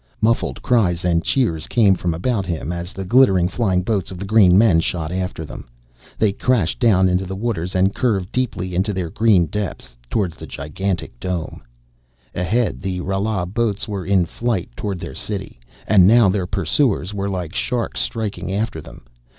Muffled cries and cheers came from about him as the glittering flying boats of the green men shot after them. They crashed down into the waters and curved deeply into their green depths, toward the gigantic dome. Ahead the Rala boats were in flight toward their city, and now their pursuers were like sharks striking after them.